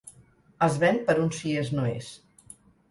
Es ven per un si és no és.